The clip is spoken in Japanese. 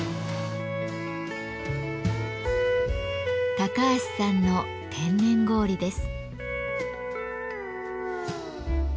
高橋さんの天然氷です。